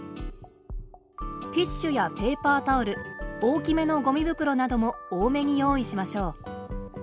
ティッシュやペーパータオル大きめのゴミ袋なども多めに用意しましょう。